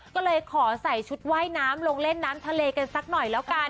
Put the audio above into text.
ก็เลยขอใส่ชุดว่ายน้ำลงเล่นน้ำทะเลกันสักหน่อยแล้วกัน